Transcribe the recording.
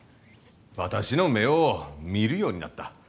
私の目を見るようになった。